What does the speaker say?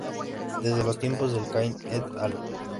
Desde los tiempos de Quine "et al.